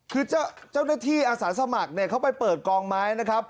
คือเจ้าหน้าที่อาสาสมัครเขาไปเปิดกองไม้นะครับ